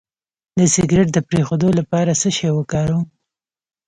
د سګرټ د پرېښودو لپاره څه شی وکاروم؟